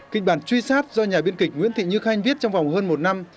kịch bản truy sát do nhà biên kịch nguyễn thị như khanh viết trong vòng hơn một năm